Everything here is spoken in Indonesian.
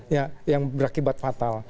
ya yang berakibat fatal